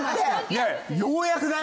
ようやくだよ？